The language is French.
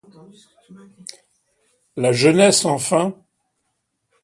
La jeunesse enfin